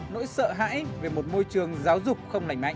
nỗi sợ hãi về một môi trường giáo dục không lành mạnh